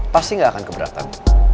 pasti gak akan keberatan